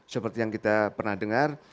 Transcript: seperti yang kita pernah dengar